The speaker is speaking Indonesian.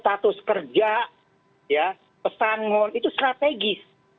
status kerja pesangon itu strategis